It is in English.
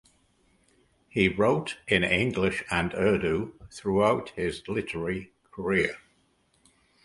He wrote in English and Urdu throughout his literary career.